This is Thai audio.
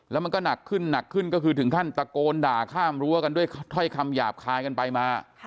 แล้วมันก็หนักขึ้นหนักขึ้นก็คือถึงขั้นตะโกนด่าข้ามรั้วกันด้วยถ้อยคำหยาบคายกันไปมา